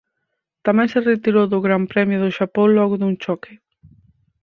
Tamén se retirou do Gran Premio do Xapón logo dun choque.